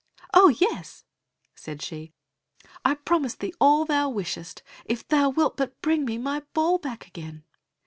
"Oh yes," said she, "I promise thee all thou wishest, if thou wilt but bring me my ball back again."